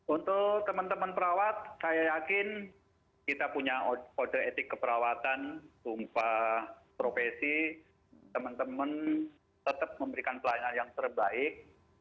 untuk teman teman perawat saya yakin kita punya kode etik keperawatan tumpah profesi teman teman tetap memberikan pelayanan yang terbaik